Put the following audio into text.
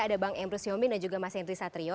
ada bang emru syomi dan juga mas yendri satrio